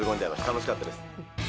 楽しかったです。